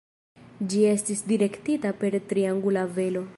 Ĝi estis direktita per triangula velo.